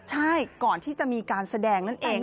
ใช่ก่อนที่จะมีการแสดงนั่นเอง